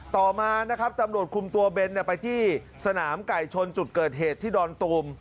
ต่อมานะครับตำรวจคุมตัวเบนไปที่สนามไก่ชนจุดเกิดเหตุที่ดอนตูม